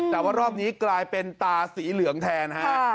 แต่ว่ารอบนี้กลายเป็นตาสีเหลืองแทนฮะ